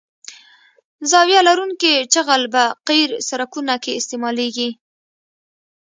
زاویه لرونکی جغل په قیر سرکونو کې استعمالیږي